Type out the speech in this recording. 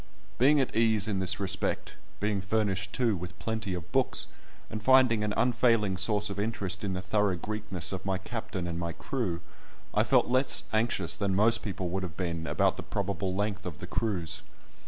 Being at ease in this respect, being furnished too with plenty of books, and finding an unfailing source of interest in the thorough Greekness of my captain and my crew, I felt less anxious than most people would have been about the probable length of the cruise.